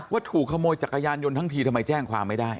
ว่าถูกขโมยจักรยานยนต์ทั้งทีทำไมแจ้งความไม่ได้